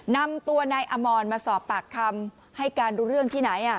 นำตัวนายอมรมาสอบปากคำให้การรู้เรื่องที่ไหน